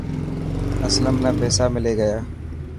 اسلم نا پيسا ملي گيا.